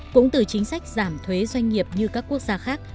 cũng từ chính sách giảm thuế doanh nghiệp như các quốc gia khác